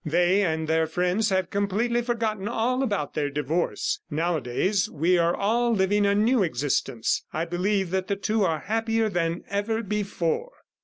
"They and their friends have completely forgotten all about their divorce. Nowadays we are all living a new existence. ... I believe that the two are happier than ever before."